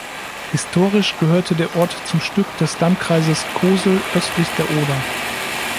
Historisch gehörte der Ort zum Stück des Landkreises Kosel östlich der Oder.